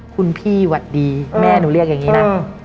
ขุนพี่หวัดดีแม่หนูเรียกงี้น่ะ